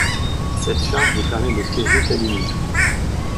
Cette charge lui permet de siéger cabinet.